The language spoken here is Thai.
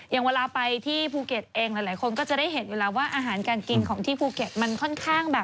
อย่างเวลาไปที่ภูเก็ตเองหลายคนก็จะได้เห็นเวลาว่าอาหารการกินของที่ภูเก็ตมันค่อนข้างแบบ